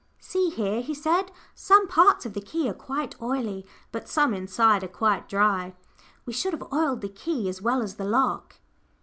"See here," he said, "some parts of the key are quite oily, but some, inside, are quite dry. We should have oiled the key as well as the lock."